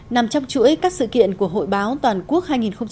nằm trong chuỗi các sự kiện của hội báo toàn quốc hai nghìn một mươi tám